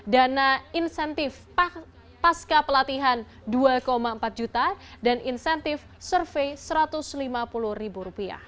dana insentif pasca pelatihan rp dua empat juta dan insentif survei rp satu ratus lima puluh